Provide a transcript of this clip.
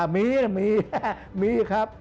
มีมีครับ